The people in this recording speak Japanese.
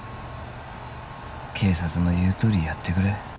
警察のいうとおりやってくれ